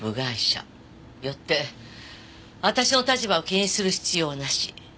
よって私の立場を気にする必要なし。